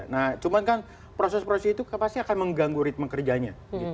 nah cuman kan proses proses itu pasti akan mengganggu ritme kerjanya